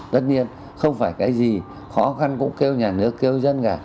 tất nhiên không phải cái gì khó khăn cũng kêu nhà nước kêu dân cả